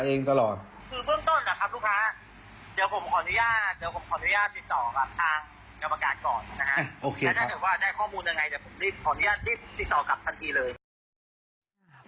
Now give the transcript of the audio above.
เดี๋ยวผมขออนุญาตรี่ต่อกลับทันทีเลย